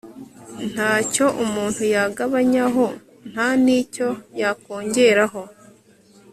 nta cyo umuntu yagabanyaho, nta n'icyo yakongeraho